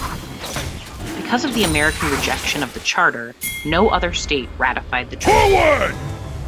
Because of the American rejection of the Charter, no other state ratified the treaty.